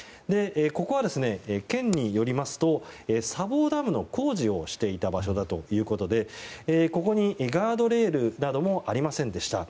ここは県によりますと砂防ダムの工事をしていた場所だということでここに、ガードレールなどもありませんでした。